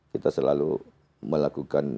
kita selalu melakukan